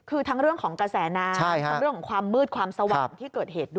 คือทั้งเรื่องของกระแสน้ำความมืดความสว่างที่เกิดเหตุด้วย